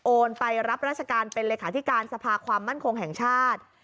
ไปรับราชการเป็นเลขาธิการสภาความมั่นคงแห่งชาติ